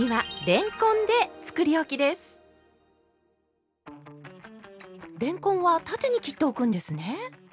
れんこんは縦に切っておくんですね？